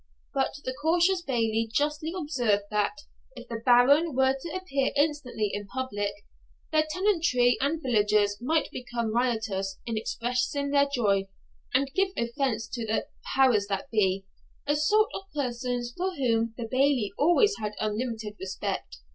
But the cautious Bailie justly observed that, if the Baron were to appear instantly in public, the tenantry and villagers might become riotous in expressing their joy, and give offence to 'the powers that be,' a sort of persons for whom the Bailie always had unlimited respect.